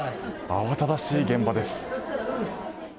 慌ただしい現場です。